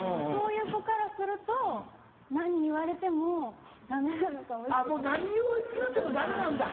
そういう子からすると何言われてもダメなのかもしれない。